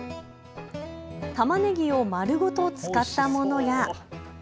たまねぎを丸ごと使ったものや。